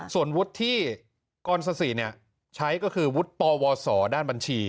ส่วนวุฒิที่กรสสีใช้ก็คือวุฒิปวสด้านบัญชี